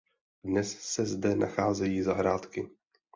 Dnes se zde nacházejí zahrádky.